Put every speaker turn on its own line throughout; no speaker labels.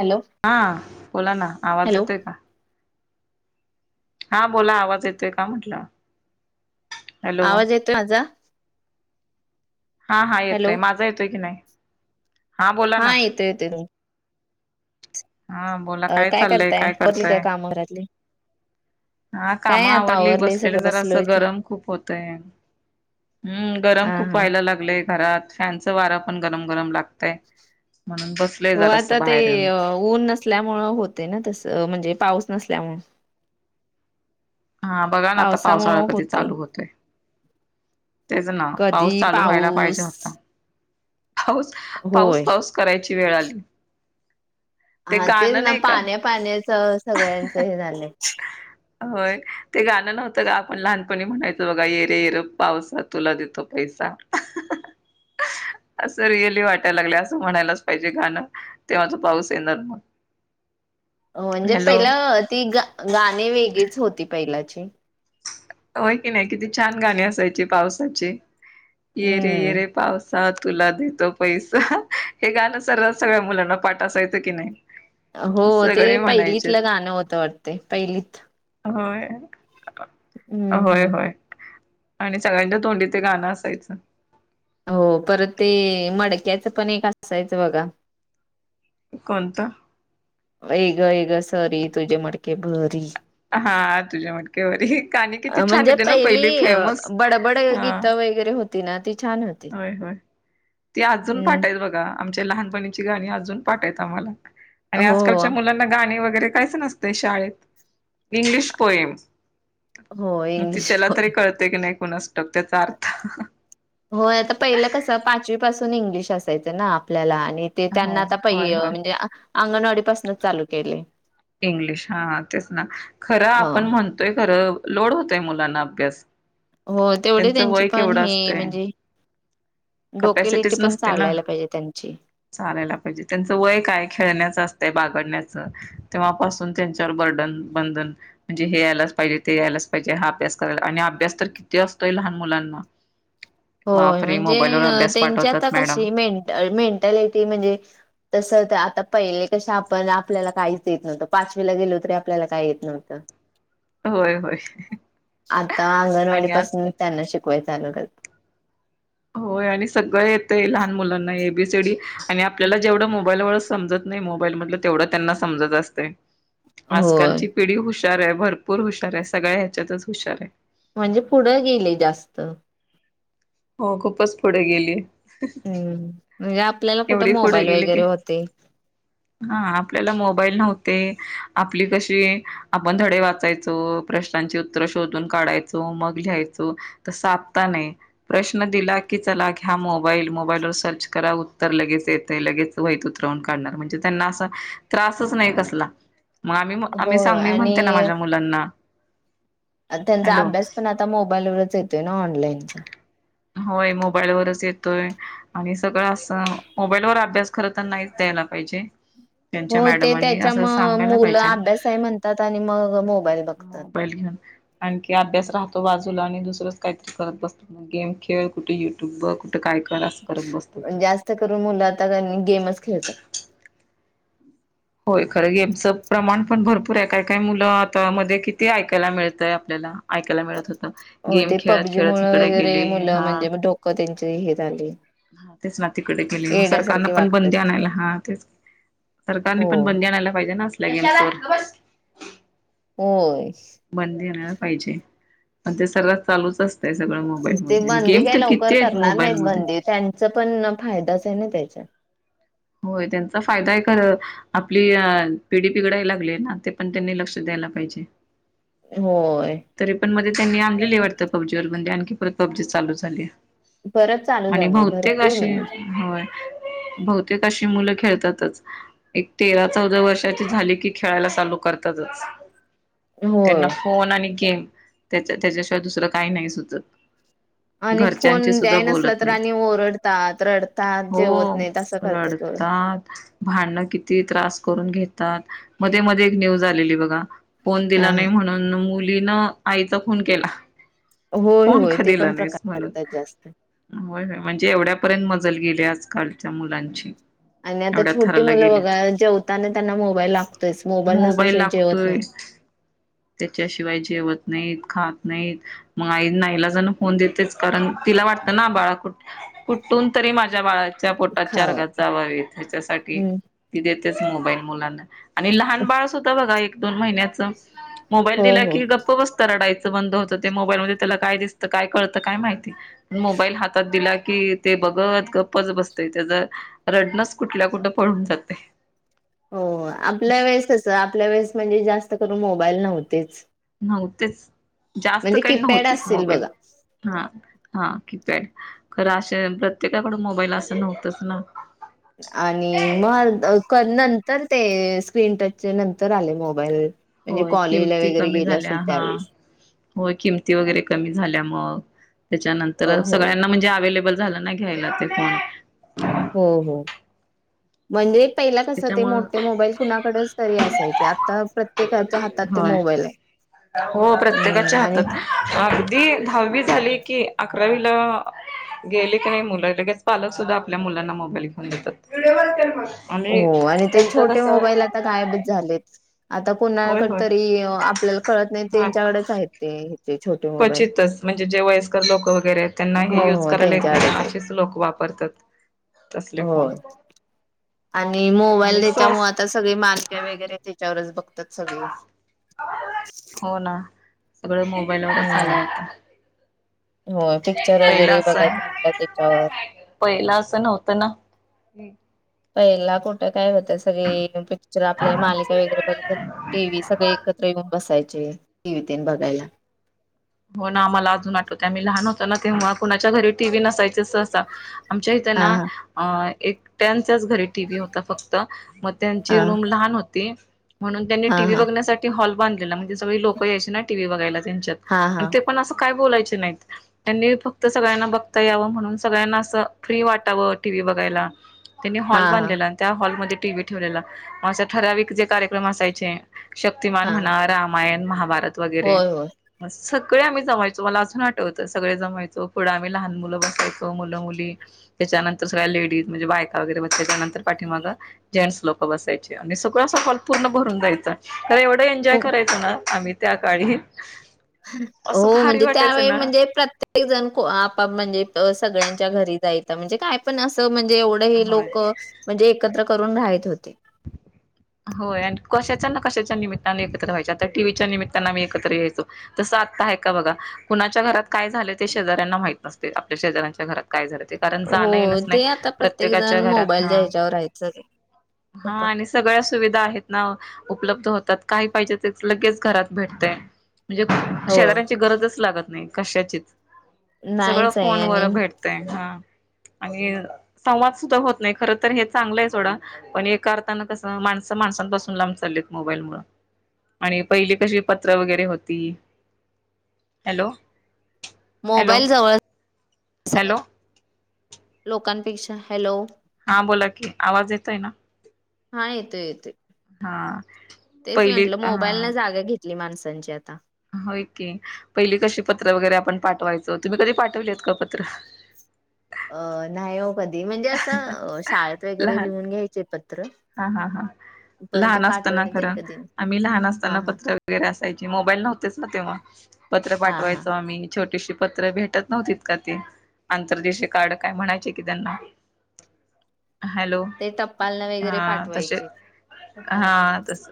Hello
हा. बोला ना. आवाज
हॅलो
येतोय का? हा, बोला. आवाज येतोय का म्हटलं? हॅलो
आवाज येतोय माझा?
हा, हा,
हॅलो
येतोय. माझा येतोय की नाही? बोला
हा.
ना
येतो, येत की.
हा बोला. काय चाललंय, काय करताय?
घरातले.
हा काम आवरली.
आवरलंय
बसलेले
सगळं बसलोय
जरासं.
इथं
गरम खूप होतय. हम. गरम
हा
खूप
हा
व्हाय लाग लय घरात. फॅनचं वारं पण गरम- गरम लागतय. म्हणून बस
हो. आता ते, ऊन नसल्यामुंळ होते ना तसं. म्हणजे पाऊस नसल्यामुळं.
हा बघा ना आता, पावसाळा
पावसामुळं
कधी
होतय
चालू होतोय. तेच ना.
कधी
पाऊस चालू व्हायला पाहिजे
पाऊस
होता. पाऊस.
होय
पाऊस- पाऊस करायची वेळ आली. ते
हा तेच
गाणं
ना.
नाही का
पाण्या- पाण्याचं, सगळ्यांचं हे झालंय.
होय. ते गाणं नव्हतं का? आपण लहानपणी म्हणायचो बघा. येरे, येर पावसा, तुला देतो पैसा.
[inaudible]
असं रिअली वाटायला लागले. असं म्हणायलाच पाहिजे, गाणं. तेव्हा तो पाऊस येणार मग.
म्हणजे
हॅलो
पहिला, ती ग- गाणी वेगळीच होती पहिलाची.
होय की नाही? किती छान गाणी असायची, पावसाची. येरे,
हम्म
येरे पाऊस सा, तुला देतो पैसा. हे गाणं सर्रास सगळ्या मुलांना पाठ असायचं, की नाही.
हो. ते,
सगळे म्हणायचे
पहिलीतलं गाणं होतं वाटते. पहिलीत
होय.
हम्म
होय
हम्म
- होय. आणि सगळ्यांच्या तोंडी ते गाणं असायचं.
हो परत ते, मडक्याचं पण एक असायचं बघा.
कोणतं?
ये ग ये ग सरी, तुझे मडके भरी.
हा तुझ्या मटकेवरी गाणी किती
अ
छान
म्हणजे
होते ना
पहिली,
फेमस
बडबड
हा
गीतं व गैरे होती ना. ते छान हो
होय, होय. ती अजून पाठायत बघा. आमच्या लहानपणीची गाणी, अजून पाठायत आम्हाला. आणि आजकालच्या
हो
मुलां गाणे वगैरे कायच नसतय शाळेत. English poem.
हो
ती
इंग्लिश
त्याला
बोल
तरी कळत की नाही कुणास ठाऊक. त्याचा अर्थ.
होय आता पहिलं कसं? पाचवी पासून इंग्लिश असायचं, ना. आपल्याला आणि ते त्यांना
होय
आता
होय
पहि
होय
म्हणजे, अंगणवाडी पासनच चालू केलय.
इंग्लिश. हा, तेच ना. खरं,
हो
आपण म्हणतोय खरं. लोड होतय मुलांना अभ्यास.
हो तेवढे
त्यांचं
त्यांचे
वय
पण
केवढं
हे,
असतय
म्हणजे डोकेलीटी
कपॅसिटीच
पण
नसते ना
चालायला पाहिजे, त्यांची.
चालायला पाहिजे. त्यांचं वय काय? खेळण्याचं असतंय. बागडण्याचं. तेव्हापासून त्यांच्यावर बर्डन, बंधन. म्हणजे हे यायलाच पाहिजे. ते यायलाच पाहिजे. हा अभ्यास करायला. आणि अभ्यास तर किती असतोय? लहान मुलांना.
[inaudible] होय.
बापरे
म्हणजे,
मोबाईलवर अभ्यास
त्यांची
पाठवतात
आता
मॅडम
कशी मेंट- मेंटॅलिटी म्हणजे तसं तर आता पहिले कशे आपण आपल्याला काहीच येत नव्हतं पाचवीला गेलो तरी आपल्याला काही येत नव्हतं.
होय होय
आता अंगणवाडी
आणि आजकाल
पासनच त्यांना शिकवायचं चालू करता.
होय आणि सगळं येतय लहान मुलांना एबीसीडी आणि आपल्याला जेवढं मोबाईल मधल समजत नाही मोबाईल मधलं तेवढं त्यांना समजत असतंय.
होय
आजकालची पिढी हुशार आहे भरपूर हुशार आहे सगळ्या ह्याच्यातच हुशार आहे.
म्हणजे पुढं गेले जास्त [unintelligible]
हो खूपच पुढे गेली
हम्म म्हणजे आपल्याला कुठे
एवढी पुढे
मोबाईल
गेली की
वगैरे होते
हा आपल्याला मोबाईल नव्हते आपली कशी आपण धडे वाचायचो प्रश्नांची उत्तर शोधून काढायचो मग लिहायचो तर साधता नाही प्रश्न दिला की चला घ्या मोबाईल मोबाईलवर सर्च करा तर लगेच येते लगेच वईत उतरवून काढणार म्हणजे त्यांना असा त्रासच नाही कसला मग आम्ही
हो
आम्ही सांग मी म्हणते ना
आणि
माझ्या मुलांना
त्यांचा
हॅलो
अभ्यास पण आता मोबाईलवरच येतोय ना ऑनलाईन
होय मोबाईलवरच येतोय. [unintelligible] आणि सगळं असं मोबाईल वर अभ्यास खर तर नाहीच द्यायला पाहिजे. त्यांच्या
हो ते
मॅडमांनी
त्याच्या
असं
म
सांगायला
मुलं
पाहिजे
अभ्यास आहे म्हणतात आणि मग मोबाईल बघतात.
मोबाईल घेऊन आणखी अभ्यास राहतो बाजूला आणि दुसरंच काहीतरी करत बसतो गेम खेळ कुठे युट्यूब बघ. काय कर असं करत बसत. [unintelligible]
जास्त करून मुलं आता गेमच खेळतात.
होय खरं गेमचं प्रमाण पण भरपूर आहे काय काय मुलं आता मध्ये किती ऐकायला मिळतय आपल्याला [unintelligible] ऐकायला मिळत होत
हो
गेम
ते
खेळत खेळत हिकडे गेले हा
मी त्यांचे हे झाले.
हा तेच ना तिकडे गेली मग सरकारनं पण बंदी
वागतात
आणायला हा तेच सरकारनी
हो
पण बंदी आणायला पाहिजे ना असल्या गेमवर
हो
बंदी आणयला पाहिजे पण ते सगळ चालूच असत सगळं मोबाईल
ते
मध्ये आणि
बंदी
गेम
काही
तर
लवकर
किती आहेत
करणार
मोबाईल
नाहीत
मध्ये
बंदी त्यांचा पण फायदाच आहे ना त्याच्यात [unintelligible]
होय त्यांचा फायदा आहे खरं आपली पिडी बिघडाया लागली आहे ना ते पण त्यांनी लक्ष द्यायला पाहिजे.
होय.
तरी पण मध्ये त्यांनी आणलेली वाटतं पब्जीवर म्हणजे आणखी परत पब्जी चालू झाली.
परत चालू
आणि
झाले
बहुतेक
भरपूर
अशी
म्हणजे
होय बहु तेक तशी मुलं खेळतातच. [unintelligible] एक तेरा चौदा वर्षाची झाली की खेळायला चालू करतातच त्यांना
होय.
फोन आणि गेम त्या त्याच्याशिवाय दुसरं काही नाही सुचत
आणि
घरच्यांची
फोन
सुद्धा
द्याय नसला
बोलत
तर
नाहीत.
आणि ओरडतात रडतात जेवत
हो
नाही तस
रडतात. भांडणं किती त्रास करून घेतात मध्ये मध्ये एक न्यूज आलेली बघा फोन
हा
दिला नाही म्हणून मुलीन आईचा खूण केला.
होय
फोन
होय
का
ते
दिला
पण
नाहीस
प्रकार
म्हणून
घडतात जास्त.
[unintelligible] होय म्हणजे एवढ्यापर्यंत मजल गेली आजकालच्या मुलांची
आणि आता
एवढ्या
छोटी
थराला
मुलं बघा
गेलेत
जेवताना त्यांना मोबाईल लागतोयच मोबाईल नसल्याशिवा जेवत नाहीत.
त्याच्याशिवाय जेवत नाहीत खात नाहीत. मग आई नाईलाजान फोन देतेच कारण तिला वाटतं ना बाळा कुठ कुठून तरी माझ्या बाळाच्या पोटात चार
खाव
घास जावावेत ह्याच्यासाठी
हम्म
ती देतेच मोबाईल मुलांना आणि लहान बाळ सुध्दा होत बघा एक दोन महिन्याच मोबाईल
हो
दिला
हो.
की गप्प बसतं रडायचं बंद होतं ते मोबाईल मध्ये त्याला काय दिसतं काय कळतं काय माहिती मोबाईल हातात दिला की ते बघत गप्पच बसतय त्याच रडनचं कुठल्या कुठं पळून जातय
हो आपल्या वेळेस कसं आपल्या वेळेस म्हणजे जास्त करून मोबाईल नव्हतेच
नव्हतेच जास्त
म्हणजे
काही
कीपॅड
नव्हतेच
असतील
मोबाईल
बघा.
हा हा की पॅड खरं अशा प्रत्येकाकडं मोबाईल असं. नव्हतच ना
आणि मग नंतर ते स्क्रीन टचचे नंतर आले मोबाईल म्हणजे
होय
कॉलेजला
किमती
वगैरे
कमी
गेलं असेल
झाल्या हा
त्यावेळेस
होय किमती वगैरे कमी झाल्या मग
हो
त्याच्यानंतर सगळ्यांना म्हणजे अव्हेलेबल झालं ना घ्यायला ते पण [inaudible]
हो हो म्हणजे पहिला कसं ते
त्याच्यामुळं
मोठे मोबाईल कुणाकडंच तरी असायचे. आता प्रत्येकाच्या हातात ते
होय
मोबाईलय [unintelligible]
हो प्रत्येकाच्या हातातय अगदी दहावी झाली कि, अकरावीला गेले का नाही मुलं लगेच पालक सुद्धा आपल्या मुलांना मोबाईल घेऊन देतात आणि
हो आणि ते
त्यांचं
छोटे
कसं
मोबाईल आता आता गायबच झालेत. आता
होय
कोणाकडे
होय
तरी आपल्याला कळत नाही
हा
त्यांच्याकडेच आहेत. ते ते छोटो
क्वचितच म्हणजे जे वयस्कर लोकं वगैरे त्यांना
हो
हे यूज
हो
करायला येत नाय
त्यांच्याकडेच
ना
आहेत
असेच लोक वापरतात. तसले फोन
होय. आणि
आणि
मोबाईल त्यामुळे
सहज
आता सगळे बातम्या वगैरे त्याच्यावरच बघतात सगळे
हो ना, सगळं मोबाईलवरच आलंय
हम्म
आता
होय, पिक्चर वगैरे बघायच म्हटल्यावर त्याच्यावर
पहिलं असं नव्हतं ना?
पहिला कुठं काय होतं सगळी पिक्चर आपल्याला मालिका वगैरे बघायच टी व्ही सगळे एकत्र येऊन बसायचे. टीव्ही तेन बघायला
हो ना मला अजून आठवतयं आम्ही लहान होतो ना, तेव्हा कुणाच्या घरी टीव्ही नसायचेच सहसा आमच्या इथं
हा हा
ना एक एकट्याच्यांच घरी टीव्ही होता फक्त म त्यांची
हा
रूम लहान होती. म्हणून त्यांनी
हा
टीव्ही
हा
बघण्यासाठी हॉल बांधलेला. मो सगळी लोक यायची ना टीव्ही बघायला त्यांच्यात
हा
आणि
हा
ते पण असं काय बोलायचे नाहीत त्यांनी फक्त सगळ्यांना बघता यावं. म्हणून सगळ्यांना असं फ्री वाटावं टीव्ही बघायला त्यांनी
हा
हॉल
हा
बांधलेला. आणि त्या हॉलमध्ये टीव्ही ठेवलेला म असा ठराविक जे कार्यक्रम असायचे शक्तिमान
हा
म्हणा. रामायण, महाभारत वगैरे
होय होय
सगळे आम्ही जमायचो मला अजून आठवतं सगळे जमायचो. पुढं आम्ही लहान मुलं बसायचो. मुलं मुली त्याच्यानंतर सगळ्या लेडीज म्हणजे बायका वगैरे मग त्याच्यांतर पाठींमागं जेंन्टस लोक बसायचे. आणि सगळं असं हाॅल पूर्ण भरून जायचा खर एवढं एन्जॉय
खूप
करायचो ना आम्ही त्या काळी असं
हो
भारी
म्हणजे
वाटायचं
त्यावेळी
ना
म्हणजे प्रत्ये जण आपाप म्हणजे सगळ्यांच्या घरी जायचा म्हणजे काय पण अस म्हणजे एव एवढं हे
होय
लोकं म्हणजे एकत्र करून राहित होते
होय आणि कशाच्या ना कशाच्या निमित्तानने एकत्र व्हायचे. आता टीव्हीच्या निमित्तानं आम्ही एकत्र यायचो तसं आत्ता हाय का बघा कुणाच्या घरात काय झालं ते शेजाऱ्यांना माहत नसतयं. आपल्या शेजाऱ्यांच्या घरात काय झालं ते कारण जाणं
हो
येणच नाही
ते आता प्रत्येक
प्रत्येकाच्या
जण
घरात
मोबाईलच्या
हा
ह्याच्यावर आहेत सगळे
हा
पप्पा
आणि सगळ्या सुविधा आहेत ना उपलब्ध होतात. काही पाहिजे ते लगेच घरात भेटतय म्हणजे
हो
शेजाऱ्यांची गरजच लागत नाही कशाचीच सगळं
नाहीच आहे आणि
फोनवर भेट तय हा आणि संवाद सुद्धा होत नाय खर तर हे चांगलय सोडा पण एका अर्थना तसं माणसं माणसांपासून लांब चाललीत मोबाईलमुळं आणि पहिली कशी पत्र वगैरे होती. हॅलो. हॅलो
मोबाईल जवळ
हॅलो
लोकांपेक्षा हॅलो.
हा बोला की आवाज येतोय ना.
हा येतो येतोय
हा
तेच
पहिली
म्हटलं मोबाईल
हा
न जागा घेतली. ली माणसांची आता
होय की, पहिली कशी पत्र वगैरे आपण पाठवायचो. तुम्ही कधी पाठवलीत का? पत्र
अ नाही हो कधी म्हणजे असं शाळेत वगैरे
लहान
लिहून घ्यायचे पत्र
हा हा हा
पण ते
लहान असताना
पाठवणे तेन
खरं.
कधी नाही
आम्ही लहान
हा
असताना
हा
पत्र वगैरे असायची. मोबाईल नव्हतेच ना तेव्हा पत्र
हा हा
पाठवायचो आम्ही छोटेशी पत्र भेटत नव्हतीत का ती आंतरदेशीय कार्ड काय म्हणायचे की त्यांना हॅलो.
ते टप्पालने वगैरे
हा तसे
पाठवायचे.
हा तस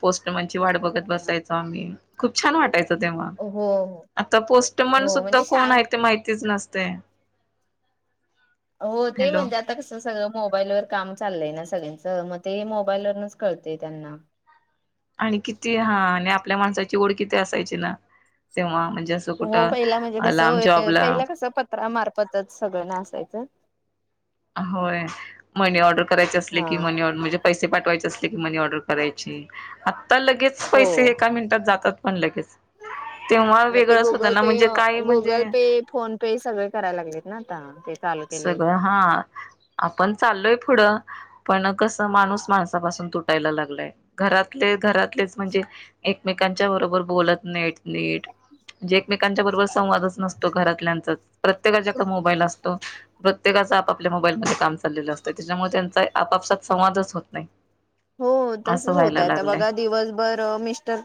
पोस्टमनची वाट बघत बसायच. खूप छान वाटायचं तेव्हा
हो हो.
आता पोस्टमन
हो
सुद्धा
म्हणजे
कोण
शाळा
आहे ते माहितीच नसते.
हो ते
हॅलो
म्हणतात. आता कस सगळं मोबाईल वर काम चाललंय ना सगळ्यांच मग ते मोबाईल वरूनच कळतेय त्यांना
आणि किती हा आणि आपल्या माणसाची ओढ किती असायची ना तेव्हा म्हणजे
हो
कुठं
पहिला म्हणजे कस
लांब जॉबला
पहिला कस पत्र मारफतच सगळ ना असायच.
होय मनी ऑर्डर करायचे असले
हा
की मनी ऑर्डर म्हणजे पैसे पाठवाय असले की मनी ऑर्डर करायचे आता लगेच
हो.
पैसे एका मिनटात. जातात पण लगेच तेव्हा
मग ते
वेगळंच होत
गुगल
ना
पे
म्हणजे काही म्हणजे
गुगल पे फोन पे सगळे करायला लागलेत ना आता ते चालू केलंय.
सगळं हा आपण चाललोय पुढ. पण कसं माणूस माणसापासून तुटायला लागलाय घरातले घरातलेच म्हणजे एकमेकांच्या बरोबर बोलत नाहीत नीट. म्हणजे एकमेकांच्या बरोबर संवादच नसतो घरातल्यांचाच प्रत्येकाच्याकडे मोबाईल असतो. प्रत्येका आपापल्या मोबाईलमध्ये काम चाललेलं असत त्याच्यामुळे त्यांच आपआपसात.
हो
असं
तसच होतय
व्हायला
आता
लागलंय
बघा दिवसभर मिस्टर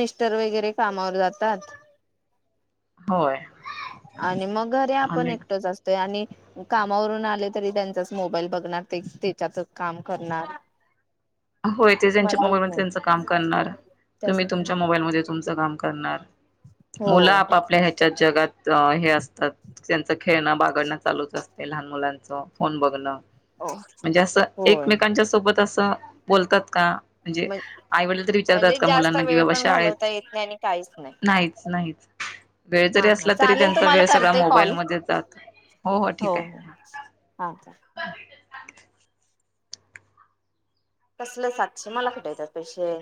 मिस्टर वगैरे कामावर जातात.
होय.
आणि मग घरी आपण
आणि
एकटच असतो. आणि कामावरून आले तरी त्यांचाच मोबाईल बघणार ते त्याच्यात काम करणार.
होय ते त्याच्या
मला येत
मोबाईलमध्ये
नाही
त्यांच काम करणार तुम्ही
त्यासनी फोन
तुमच्या मोबाईलमध्ये तुमच काम करणार मुल
होय
आपापल्या ह्याच्यात जगात. अ हे असतात त्यांच खेळण बागडण चालूच असते लहान मुलांच फोन बघण. म्हणजे असं
होय
एकमेकांच्या सोबत अस बोलतात का? म्हणजे आईवडील तरी विचारतात
म्हणजे
का
जास्त
मुलांना कि
वेळ
बाबा
पण घालवता
शाळेत
येत नाही आणि काहीच नाही
नाहीच नाहीच. वेळ जरी
हा हा
असला तरी
चालेल
त्यांचा
तुम्हाला
वेळ सगळा
करते कॉल
मोबाईलमध्ये जातो हो हो ठीक आहे.
ह का? कसल सातशे मला कुठे येतात पैसेे